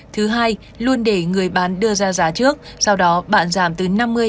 thứ hai luôn để người bán đưa ra giá trước sau đó bạn giảm từ năm mươi sáu mươi